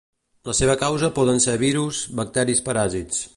La seva causa poden ser virus, bacteris paràsits.